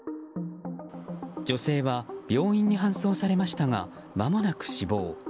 女性は病院に搬送されましたがまもなく死亡。